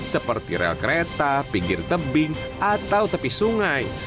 seperti rel kereta pinggir tebing atau tepi sungai